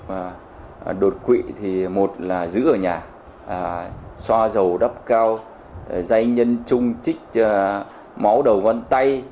và đột quỵ thì một là giữ ở nhà xoa dầu đắp cao dây nhân chung trích máu đầu ngón tay